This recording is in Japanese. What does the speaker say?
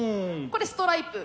これストライプ。